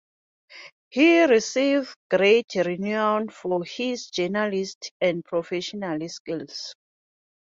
He received great renown for his journalistic and professional skills.